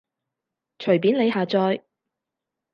隨便你下載